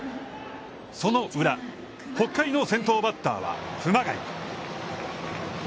その裏、北海の先頭バッターは、熊谷。